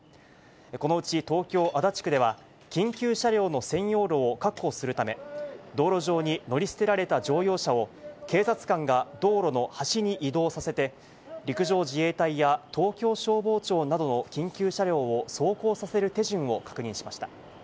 このうち東京・足立区では、緊急車両の専用路を確保するため、道路上に乗り捨てられた乗用車を、警察官が道路の端に移動させて、陸上自衛隊や東京消防庁などの緊急車両を走行させる手順を確認しました。